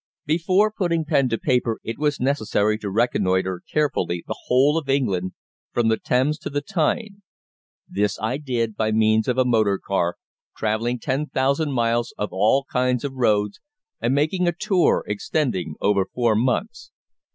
Before putting pen to paper it was necessary to reconnoitre carefully the whole of England from the Thames to the Tyne. This I did by means of a motor car, travelling 10,000 miles of all kinds of roads, and making a tour extending over four months.